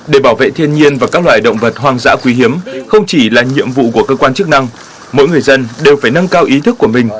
để bảo vệ thiên nhiên và các loại động vật hoang dã quý hiếm không chỉ là nhiệm vụ của cơ quan chức năng mỗi người dân đều phải nâng cao ý thức của mình